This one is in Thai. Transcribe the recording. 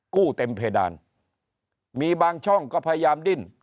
เต็มเพดานมีบางช่องก็พยายามดิ้น